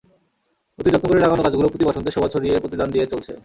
অতি যত্ন করে লাগানো গাছগুলো প্রতি বসন্তে শোভা ছড়িয়ে প্রতিদান দিয়ে চলছে।